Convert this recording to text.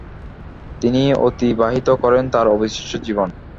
তিনি অতিবাহিত করেন তার অবশিষ্ট জীবন।